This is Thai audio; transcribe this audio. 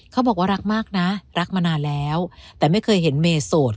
เขาบอกว่ารักมากนะรักมานานแล้วแต่ไม่เคยเห็นเมย์โสด